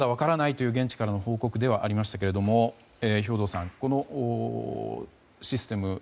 まだ分からないという現地からの報告ではありましたが兵頭さん、このシステム